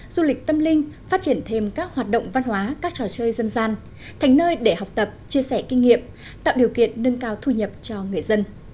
du lịch tâm linh phát triển thêm các hoạt động văn hóa các trò chơi dân gian thành nơi để học tập chia sẻ kinh nghiệm tạo điều kiện nâng cao thu nhập cho người dân